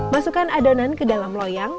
masukkan adonan ke dalam loyang